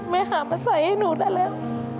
หามาใส่ให้หนูได้แล้ว